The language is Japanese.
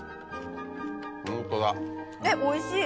おいしい。